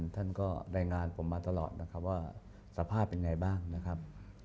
ท่านก็รายงานผมมาตลอดนะครับว่าสภาพเป็นไงบ้างนะครับ